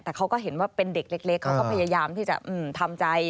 แต่เขาก็เห็นว่าเป็นเด็กเล็กเขาก็พยายามที่จะทำใจ